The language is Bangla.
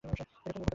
এটা কোন উপত্যকা?